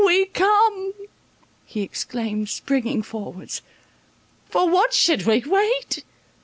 We come," he exclaimed, springing forwards, "for what should we wait?